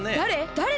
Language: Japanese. だれ？